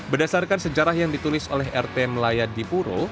berdasarkan sejarah yang ditulis oleh rt melayadi puro